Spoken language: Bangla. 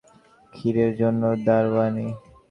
ক্ষীরের জন্যও দারায়নি।